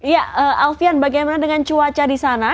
ya alfian bagaimana dengan cuaca di sana